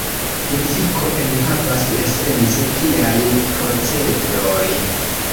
Muziko enhavas esence tiajn procedoj.